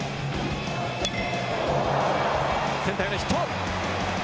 センター前ヒット。